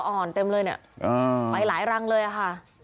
อ่อนเต็มเลยเนี่ยไปหลายรังเลยค่ะ